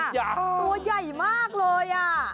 ตัวใหญ่มากเลย